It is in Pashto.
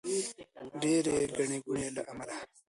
د ډېرې ګڼې ګوڼې له امله.